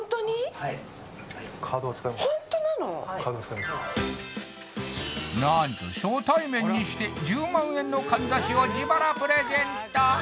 はい何と初対面にして１０万円のかんざしを自腹プレゼント！